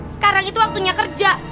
sekarang itu waktunya kerja